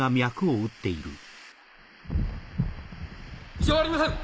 異常ありません！